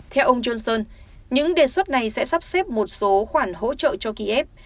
theo ông johnson những đề xuất này sẽ sắp xếp một số khoản hỗ trợ cho kiev